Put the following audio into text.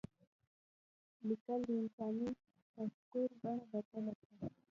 لیکل د انساني تفکر بڼه بدله کړه.